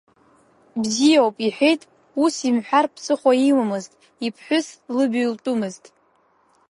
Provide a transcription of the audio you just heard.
Бзиоуп, — иҳәеит, ус имҳәар ԥсыхәа имамызт, иԥҳәыс лыбаҩлтәымызт.